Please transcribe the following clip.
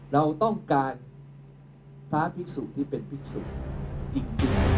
เราต้องการพระภิกษุที่เป็นภิกษุจริง